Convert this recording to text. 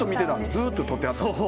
ずっと撮ってはったんですか？